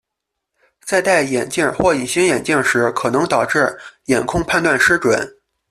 在戴眼镜或隐形眼镜时可能导致眼控判断失准。